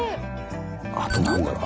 あと何だろう？